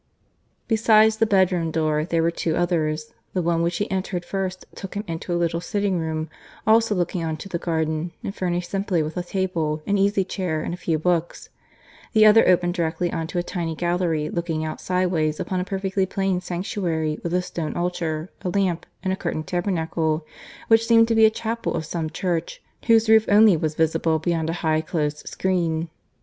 Besides the bedroom door there were two others: the one which he entered first took him into a little sitting room also looking on to the garden, and furnished simply with a table, an easy chair, and a few books; the other opened directly on to a tiny gallery looking out sideways upon a perfectly plain sanctuary, with a stone altar, a lamp, and a curtained tabernacle, which seemed to be a chapel of some church whose roof only was visible beyond a high closed screen.